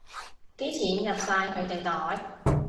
啲錢入晒佢哋袋